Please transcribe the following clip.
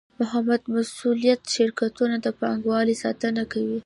محدودالمسوولیت شرکتونه د پانګوالو ساتنه کوي.